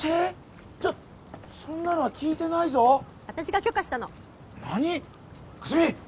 ちょそんなのは聞いてないぞ私が許可したの何？かすみ！